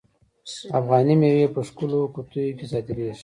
افغاني میوې په ښکلو قطیو کې صادریږي.